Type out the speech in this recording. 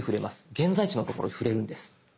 現在地の所に触れるんです。